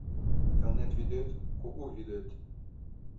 Элнет вӱдет - кугу вӱдет